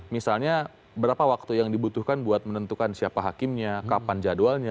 misalnya berapa waktu yang dibutuhkan buat menentukan siapa hakimnya kapan jadwalnya